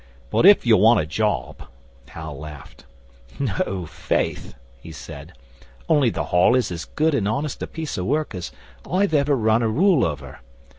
'But if you want a job ' Hal laughed. 'No, faith!' he said. 'Only the Hall is as good and honest a piece of work as I've ever run a rule over.